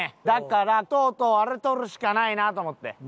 だからとうとうあれ取るしかないなと思って。